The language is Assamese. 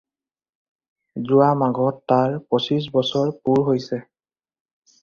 যোৱা মাঘত তাৰ পঁচিশ বছৰ পুৰ হৈছে।